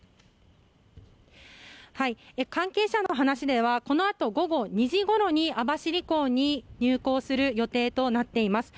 関係者の話ではこのあと午後２時ごろに網走港に入港する予定となっています。